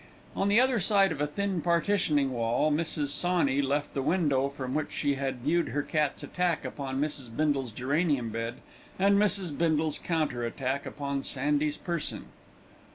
On the other side of a thin partitioning wall, Mrs. Sawney left the window from which she had viewed her cat's attack upon Mrs. Bindle's geranium bed, and Mrs. Bindle's counter attack upon Sandy's person.